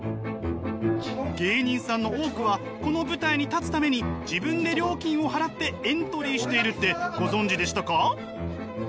芸人さんの多くはこの舞台に立つために自分で料金を払ってエントリーしているってご存じでしたか？